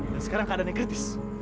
dan sekarang keadaannya kritis